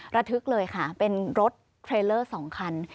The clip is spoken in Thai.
ระทึกเลยค่ะเป็นรถเทรลเลอร์๒คัน